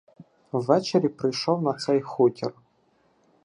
Ввечері прийшов на цей хутір.